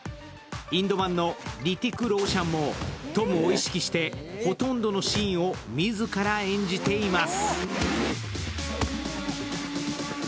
インド版のリティク・ローシャンもトムを意識してほとんどのシーンを自ら演じています。